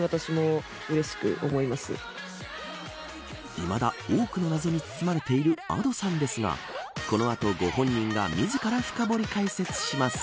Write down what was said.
いまだ、多くの謎に包まれているＡｄｏさんですがこの後ご本人が自ら深掘り解説します。